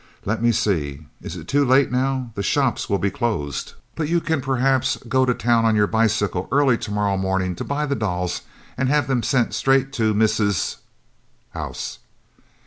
"Let me see, it is too late now, the shops will be closed, but you can perhaps go to town on your bicycle early to morrow morning to buy the dolls and have them sent straight to Mrs. 's house."